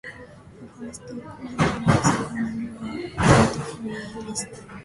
The first commander was Commodore Godfrey M. Paine.